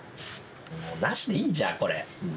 もうなしでいいんじゃんこれ。